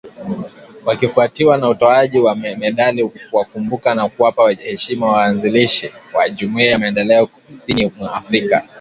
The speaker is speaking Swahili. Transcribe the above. wakifwatiwa na utoaji wa medali kuwakumbuka na kuwapa heshima waanzilishi wa Jumuiya ya Maendeleo Kusini mwa Afrika